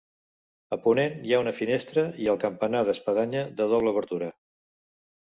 A ponent hi ha una finestra i el campanar d'espadanya de doble obertura.